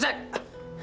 tapi ada kacau